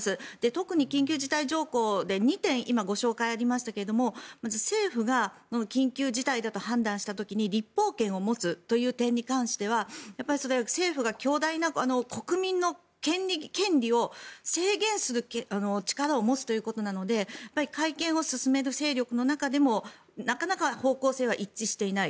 特に緊急事態条項で２点今、ご紹介がありましたが政府が緊急事態だと判断した時に立法権を持つということに関してはそれは政府が強大な国民の権利を制限する力を持つということなので改憲を進める勢力の中でもなかなか方向性は一致していない。